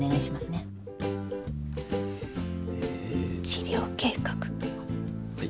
治療計画。